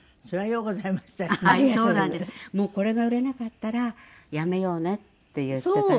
もうこれが売れなかったらやめようねって言ってたぐらい。